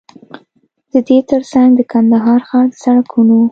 ددې تر څنګ د کندهار ښار د سړکونو